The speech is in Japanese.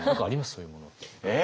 そういうもの。え？